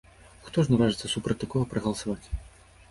Хто ж наважыцца супраць такога прагаласаваць?